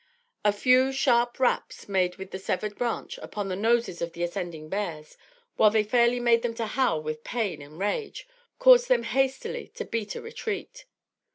A few sharp raps made with the severed branch upon the noses of the ascending bears, while they fairly made them to howl with pain and rage, caused them hastily to beat a retreat.